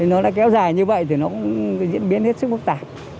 nó đã kéo dài như vậy thì nó cũng diễn biến hết sức phức tạp